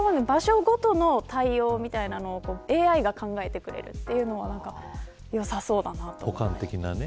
そういった場所ごとの対応みたいなものＡＩが考えてくれるというのは良さそうだなと。